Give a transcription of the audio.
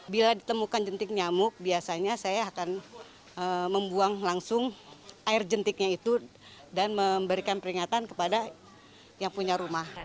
bila ditemukan jentik nyamuk biasanya saya akan membuang langsung air jentiknya itu dan memberikan peringatan kepada yang punya rumah